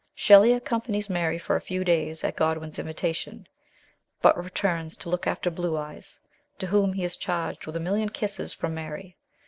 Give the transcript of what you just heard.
Shelley accompanies Mary for a few days at Godwin's invitation, but returns to look alter " Blue Eyes," to whom he is charged with a million kisses from Mary.